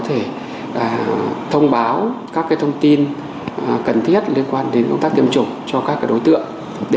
thể thông báo các thông tin cần thiết liên quan đến công tác tiêm chủng cho các đối tượng để